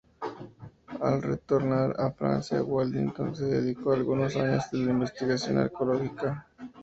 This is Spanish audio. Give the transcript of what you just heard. Al retornar a Francia, Waddington se dedicó algunos años a la investigación arqueológica.